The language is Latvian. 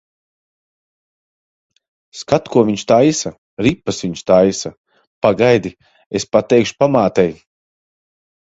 Skat, ko viņš taisa! Ripas viņš taisa. Pagaidi, es pateikšu pamātei.